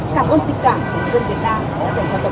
cảm ơn tình cảm của dân việt nam đã dành cho tổng thống